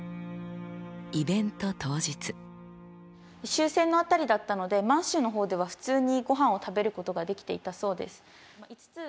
終戦の辺りだったので満州の方では普通にごはんを食べることができていたそうです。